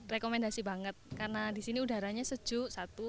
rekomendasi banget karena di sini udaranya sejuk satu